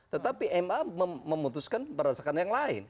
tetapi ma memutuskan berdasarkan yang lain